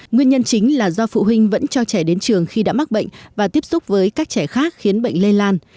nguyên nhân chính là do phụ huynh vẫn cho trẻ đến trường khi đã mắc bệnh và tiếp xúc với các trẻ khác khiến bệnh lây lan